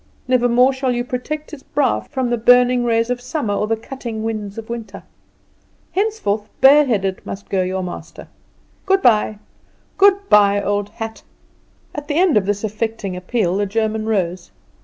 Never more shall you protect his brow from the burning rays of summer or the cutting winds of winter. Henceforth bare headed must your master go. Good bye, good bye, old hat!" At the end of this affecting appeal the German rose.